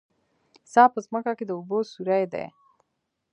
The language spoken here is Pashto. څا په ځمکه کې د اوبو سوری دی